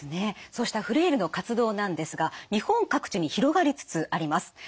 そうしたフレイルの活動なんですが日本各地に広がりつつあります。